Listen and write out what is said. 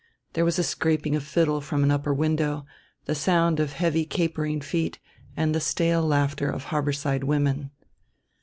There was a scraping of fiddle from an upper window, the sound of heavy capering feet and the stale laughter of harborside women.